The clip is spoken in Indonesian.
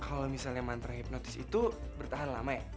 kalau misalnya mantra hipnotis itu bertahan lama ya